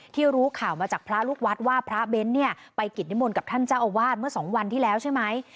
รู้ข่าวมาจากพระลูกวัดว่าพระเบ้นเนี่ยไปกิจนิมนต์กับท่านเจ้าอาวาสเมื่อสองวันที่แล้วใช่ไหม